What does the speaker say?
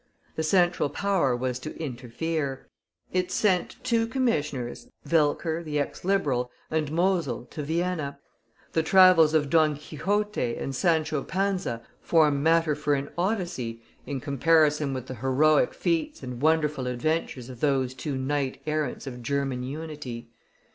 The Central Power was to interfere. It sent two commissioners, Welcker, the ex Liberal, and Mosle, to Vienna. The travels of Don Quixote and Sancho Panza form matter for an Odyssey in comparison with the heroic feats and wonderful adventures of those two knight errants of German Unity.